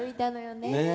ねえ。